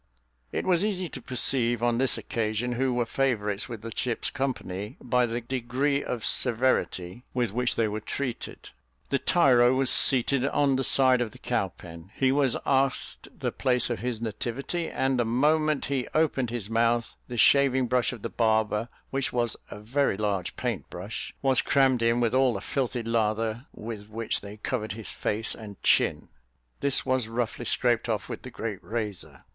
It was easy to perceive, on this occasion, who were favourites with the ship's company, by the degree of severity with which they were treated. The tyro was seated on the side of the cow pen: he was asked the place of his nativity, and the moment he opened his mouth, the shaving brush of the barber, which was a very large paint brush, was crammed in with all the filthy lather with which they covered his face and chin; this was roughly scraped off with the great razor.